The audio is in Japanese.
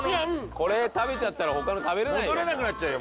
これ食べちゃったら他の食べられないよ戻れなくなっちゃうよ